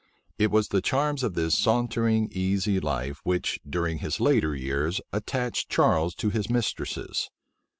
It was the charms of this sauntering, easy life, which, during his later years, attached Charles to his mistresses.